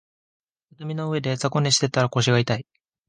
畳の上で雑魚寝してたら腰が痛い